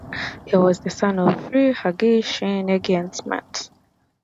He was the son of Shri Hari Singh Negi and Smt.